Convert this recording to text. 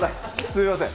すみません。